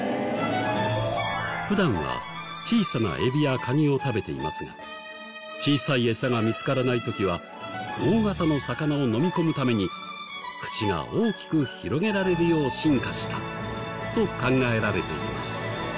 普段は小さなエビやカニを食べていますが小さいエサが見つからない時は大型の魚をのみ込むために口が大きく広げられるよう進化したと考えられています。